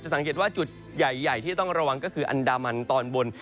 สังเกตว่าจุดใหญ่ที่ต้องระวังก็คืออันดามันตอนบน